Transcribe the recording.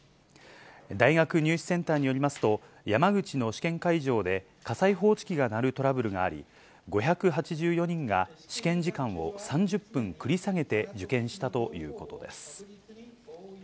大学入試センターによりますと、山口の試験会場で火災報知機が鳴るトラブルがあり、５８４人が試験時間を３０分繰り下げて受験したということです。